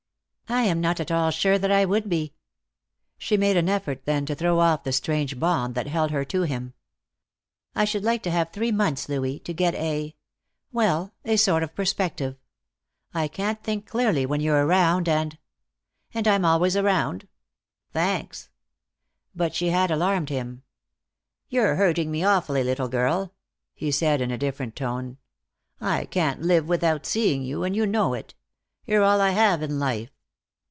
"I am not at all sure that I would be." She made an effort then to throw off the strange bond that held her to him. "I should like to have three months, Louis, to get a well, a sort of perspective. I can't think clearly when you're around, and " "And I'm always around? Thanks." But she had alarmed him. "You're hurting me awfully, little girl," he said, in a different tone. "I can't live without seeing you, and you know it. You're all I have in life.